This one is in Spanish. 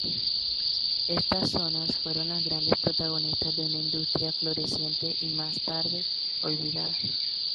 Estas zonas fueron las grandes protagonistas de una industria floreciente y más tarde olvidada.